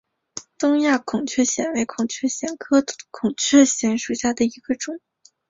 东亚孔雀藓为孔雀藓科孔雀藓属下的一个种。